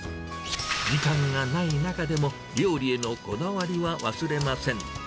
時間がない中でも、料理へのこだわりは忘れません。